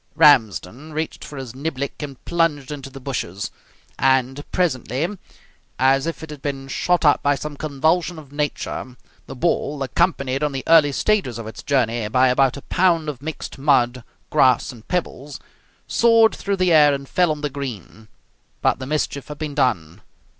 Ramsden reached for his niblick and plunged into the bushes. And, presently, as if it had been shot up by some convulsion of nature, the ball, accompanied on the early stages of its journey by about a pound of mixed mud, grass, and pebbles, soared through the air and fell on the green. But the mischief had been done.